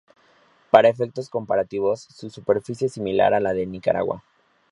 Para efectos comparativos su superficie es similar a la de Nicaragua.